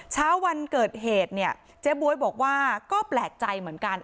เช้าวันเกิดเหตุเนี่ยเจ๊บ๊วยบอกว่าก็แปลกใจเหมือนกัน